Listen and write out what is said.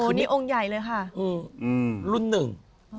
วันนี้องค์ใหญ่เลยค่ะอืมรุ่นหนึ่ง